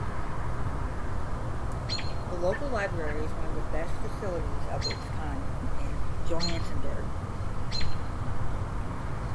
The local library is one of the best facilities of its kind in Johannesburg.